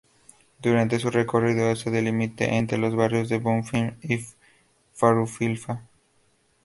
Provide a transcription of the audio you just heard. Durante su recorrido hace de límite entre los barrios de Bom Fim y Farroupilha.